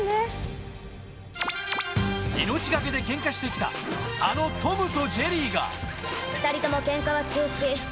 命懸けでケンカしてきたあのトムとジェリーが２人ともケンカは中止。